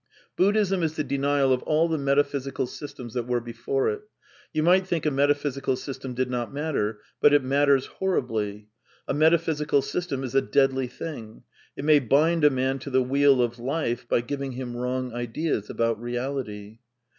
Buddhism is the denial of all the metaphysical systems that were before it. You might think a metaphysical sys tem did not matter. But it matters horribly. A meta physical system is a deadly thing. It may bind a man to the wheel of life by giving him wrong ideas about reality.